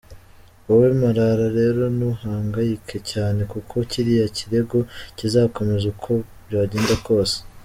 Wowe Marara rero ntuhangayike cyane kuko kiriya kirego kizakomeza uko byagenda kose.